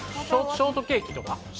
ショートケーキ？